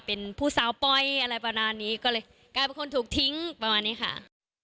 เป็นผู้สาวปล่อยอะไรประมาณนี้ก็เลยกลายเป็นคนถูกทิ้งประมาณนี้ค่ะ